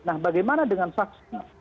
nah bagaimana dengan saksi